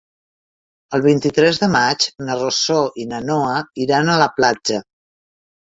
El vint-i-tres de maig na Rosó i na Noa iran a la platja.